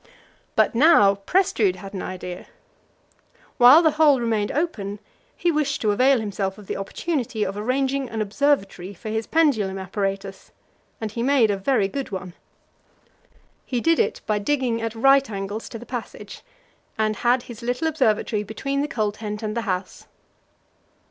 But now Prestrud had an idea. While the hole remained open he wished to avail himself of the opportunity of arranging an observatory for his pendulum apparatus, and he made a very good one. He did it by digging at right angles to the passage, and had his little observatory between the coal tent and the house.